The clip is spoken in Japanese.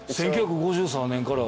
１９５３年から。